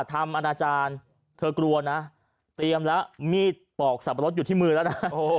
อาณาจารย์เธอกลัวนะเตรียมแล้วมีดปอกสับปะรดอยู่ที่มือแล้วนะ